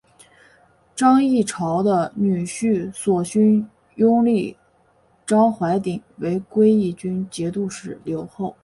张议潮的女婿索勋拥立张淮鼎为归义军节度使留后。